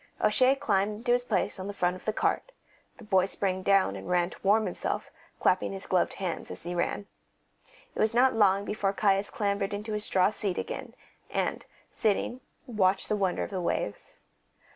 O'Shea climbed to his place on the front of the cart; the boy sprang down and ran to warm himself, clapping his gloved hands as he ran. It was not long before Caius clambered into his straw seat again, and, sitting, watched the wonder of the waves.